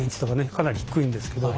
かなり低いんですけど。